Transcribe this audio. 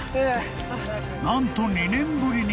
［何と２年ぶりに］